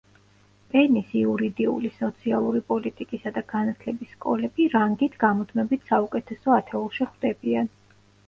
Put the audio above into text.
პენის იურიდიული, სოციალური პოლიტიკისა და განათლების სკოლები რანგით გამუდმებით საუკეთესო ათეულში ხვდებიან.